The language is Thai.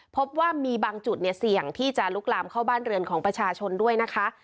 พบว่ามีบางจุดเนี่ยเสี่ยงที่จะลุกลามเข้าบ้านเรือนของประชาชนด้วยนะคะ